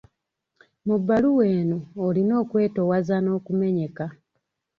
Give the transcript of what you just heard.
Mu bbaluwa eno olina okwetoowaza n'okumenyeka.